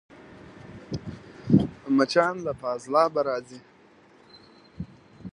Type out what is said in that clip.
مچان له فاضلابه راځي